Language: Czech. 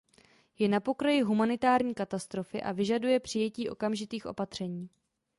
Je na pokraji humanitární katastrofy a vyžaduje přijetí okamžitých opatření.